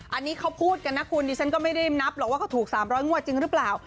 อันนี้เขาพูดกันนะคุณดิฉันก็ไม่ได้นับหรอกว่าเขาถูก๓๐๐งวดจริงหรือเปล่า